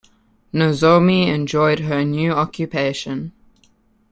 Nozomi enjoyed her new occupation.